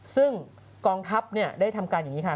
ซึ่งกองทัพได้ทำการอย่างนี้ค่ะ